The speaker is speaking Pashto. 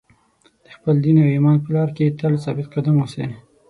د خپل دین او ایمان په لار کې تل ثابت قدم اوسئ.